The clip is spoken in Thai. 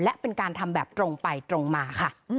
และเป็นการทำแบบตรงไปตรงมาค่ะ